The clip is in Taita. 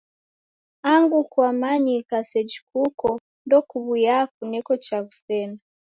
Angu kwamanyika seji kuko, ndokuw'uyaa kuneko chaghu sena.